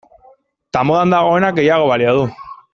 Eta modan dagoenak gehiago balio du.